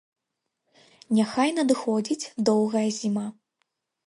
Няхай надыходзіць доўгая зіма.